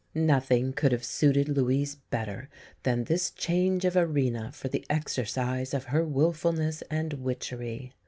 Nothing could have suited Louise better than this change of arena for the exercise of her wilfulness and witchery.